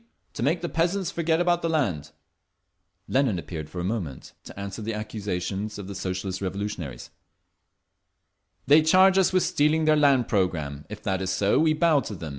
To make the peasants forget about the land…." Lenin appeared for a moment, to answer the accusations of the Socialist Revolutionaries: "They charge us with stealing their land programme…. If that is so, we bow to them.